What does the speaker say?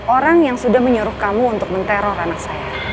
orang yang sudah menyuruh kamu untuk menteror anak saya